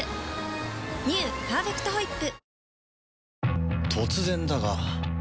「パーフェクトホイップ」